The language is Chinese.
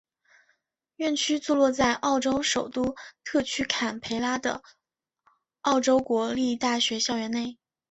院区座落在澳洲首都特区坎培拉的澳洲国立大学校园内。